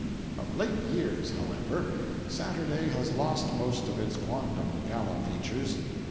Of late years, however, Saturday has lost most of its quondam gala features.